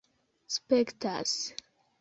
spektas